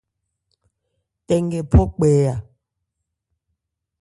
Tɛ nkɛ phɔ kpɛ a.